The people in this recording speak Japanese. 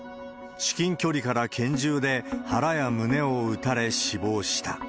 至近距離から拳銃で腹や胸を撃たれ死亡した。